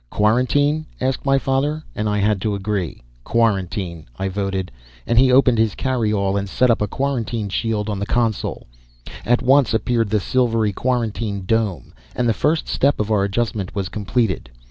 "Quarantine?" asked my father, and I had to agree. "Quarantine," I voted, and he opened his carry all and set up a quarantine shield on the console. At once appeared the silvery quarantine dome, and the first step of our adjustment was completed.